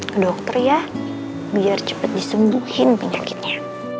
ke dokter ya biar cepat disembuhin penyakitnya